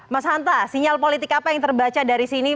mas hanta sinyal politik apa yang terbaca dari sini